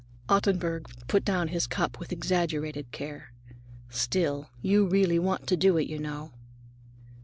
Ottenburg put down his cup with exaggerated care. "Still, you really want to do it, you know."